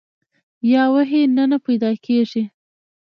یا وحي نه نۀ پېدا کيږي